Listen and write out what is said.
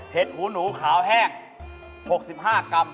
หูหนูขาวแห้ง๖๕กรัม